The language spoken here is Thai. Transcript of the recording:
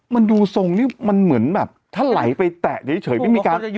มันดูทรงนี่มันเหมือนแบบถ้าไหลไปแตะเฉยไม่มีการ